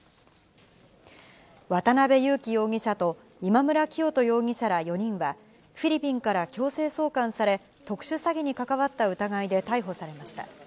渡辺優樹容疑者と、今村磨人容疑者ら４人は、フィリピンから強制送還され、特殊詐欺に関わった疑いで逮捕されました。